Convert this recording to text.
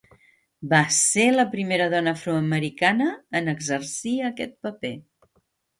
Va ser la primera dona afroamericana en exercir aquest paper.